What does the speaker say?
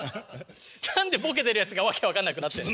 何でボケてるやつが訳分かんなくなってんの。